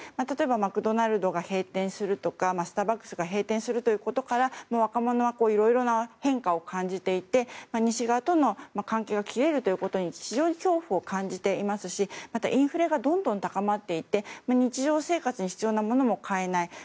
例えばマクドナルドが閉店するとかスターバックスが閉店するとか若者はいろいろな変化を感じていて西側との関係が切れるということに非常に恐怖を感じていますしまたインフレがどんどん高まっていて日常生活に必要なものも買えない。